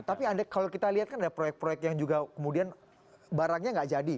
tapi kalau kita lihat kan ada proyek proyek yang juga kemudian barangnya nggak jadi